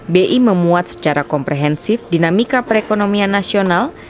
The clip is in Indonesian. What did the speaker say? bi memuat secara komprehensif dinamika perekonomian nasional